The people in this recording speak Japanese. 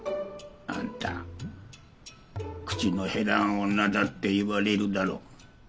あんた口の減らん女だって言われるだろ？